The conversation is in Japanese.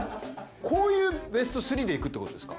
こういうＢＥＳＴ３でいくってことですか？